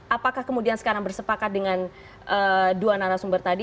apakah kemudian sekarang bersepakat dengan dua narasumber tadi